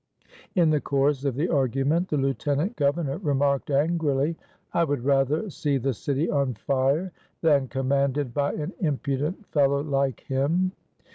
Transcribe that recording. In the course of the argument the Lieutenant Governor remarked angrily: "I would rather see the city on fire than commanded by an impudent fellow like him."